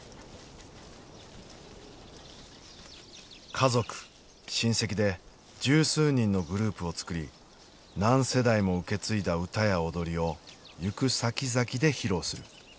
家族親戚で十数人のグループを作り何世代も受け継いだ歌や踊りを行くさきざきで披露する。